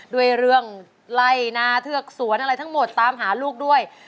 ด้วยเรื่องไล่นาเทือกสวนอะไรทั้งหมดตามหาลูกด้วย